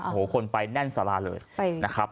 โอ้โหคนไปแน่นสาราเลยนะครับ